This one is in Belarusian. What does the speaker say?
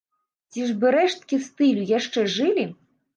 Ці ж бы рэшткі стылю яшчэ жылі?